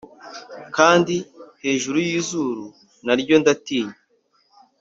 (kandi hejuru yizuru naryo, ndatinya)